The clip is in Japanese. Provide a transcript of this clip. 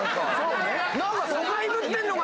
何か都会ぶってんのが。